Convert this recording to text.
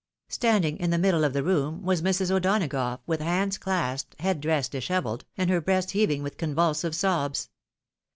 Standing in the middle of the room was Mrs. O'Donagough with hands clasped, head dress dishevelled, and her breast heaving with convulsive sobs.